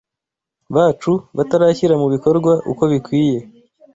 bacu batarishyira mu bikorwa uko bikwiye